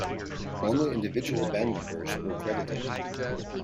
Only individual band members were credited.